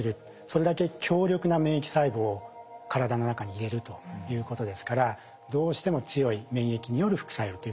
それだけ強力な免疫細胞を体の中に入れるということですからどうしても強い免疫による副作用というものは起こってきます。